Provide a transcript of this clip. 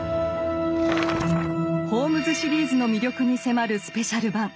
ホームズ・シリーズの魅力に迫るスペシャル版。